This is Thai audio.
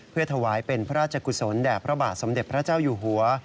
เพื่อถวายเป็นพระราชกุศลแด่พระบาทสมเด็จพระเจ้าอยู่หัว